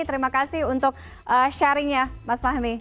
terima kasih untuk sharingnya mas fahmi